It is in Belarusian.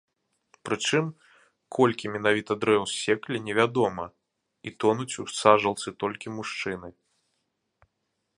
Прычым, колькі менавіта дрэў ссеклі не вядома, і тонуць у сажалцы толькі мужчыны.